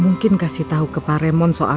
pusat nggak kamu ke oyo semangat